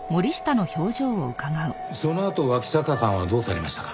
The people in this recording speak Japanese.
そのあと脇坂さんはどうされましたか？